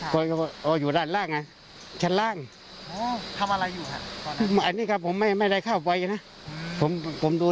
ก็มีนั่นก็กั้นไว้บอกว่าแม่ใครเข้าไปยุ่ง